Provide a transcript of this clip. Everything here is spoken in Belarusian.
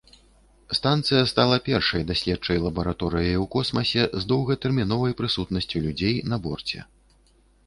Станцыя стала першай даследчай лабараторыяй у космасе з доўгатэрміновай прысутнасцю людзей на борце.